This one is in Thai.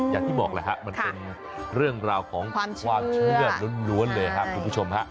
อย่างที่บอกแหละฮะมันเป็นเรื่องราวของความเชื่อล้วนเลยครับคุณผู้ชมฮะ